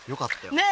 ねえ！